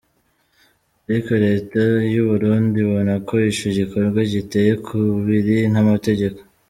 Ariko leta y'u Burundi ibona ko ico gikorwa giteye kubiri n'amategeko.